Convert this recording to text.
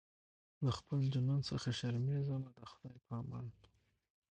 له خپل جنون څخه شرمېږمه د خدای په امان